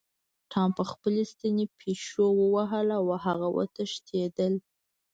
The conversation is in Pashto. ټام په خپلې ستنې پیشو ووهله او هغه وتښتیده.